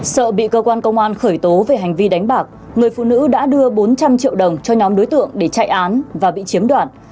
sợ bị cơ quan công an khởi tố về hành vi đánh bạc người phụ nữ đã đưa bốn trăm linh triệu đồng cho nhóm đối tượng để chạy án và bị chiếm đoạt